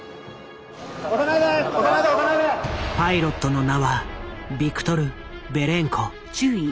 パイロットの名はビクトル・ベレンコ。